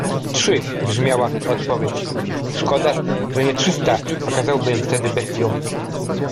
- Trzy - brzmiała odpowiedź. - Szkoda, że nie trzysta. Pokazałbym wtedy bestiom!